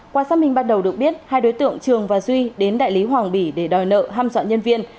qua xác minh ban đầu được biết hai đối tượng trường và duy đến đại lý hoàng bỉ để đòi nợ ham dọn nhân viên